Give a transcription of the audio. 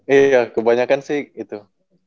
iya kebanyakan sih itu